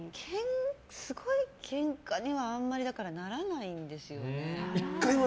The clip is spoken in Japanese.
すごいケンカには、だからあんまりならないんですよね。